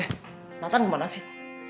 eh natan kemana sih